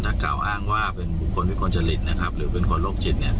ถ้ากล่าวอ้างว่าเป็นบุคคลวิกลจริตนะครับหรือเป็นคนโรคจิต